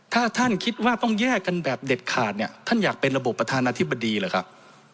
ถ้าท่านคิดว่าต้องแยกกันแบบเด็ดขาดเนี่ยท่านอยากเป็นระบบประธานาธิบดีเหรอครับ